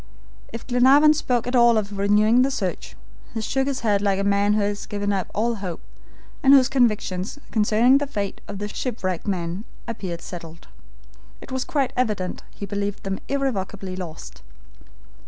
If Glenarvan spoke at all of renewing the search, he shook his head like a man who has given up all hope, and whose convictions concerning the fate of the shipwrecked men appeared settled. It was quite evident he believed them irrevocably lost.